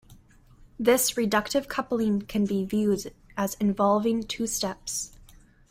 This reductive coupling can be viewed as involving two steps.